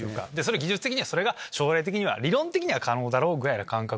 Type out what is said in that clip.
技術的にはそれが将来的には理論的には可能ぐらいの感覚。